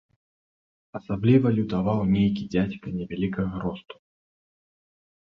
Асабліва лютаваў нейкі дзядзька невялікага росту.